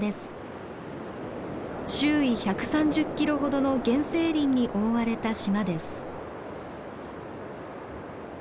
周囲１３０キロほどの原生林に覆われた島です。